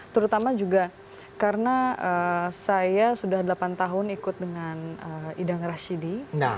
terutama juga karena saya sudah delapan tahun ikut dengan idang rashidi